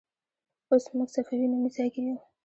اوس موږ صفوي نومې ځای کې یو.